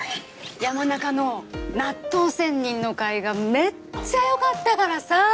山中の納豆仙人の回がめっちゃよかったからさぁ！